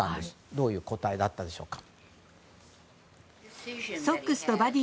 どういう答えだったでしょうか。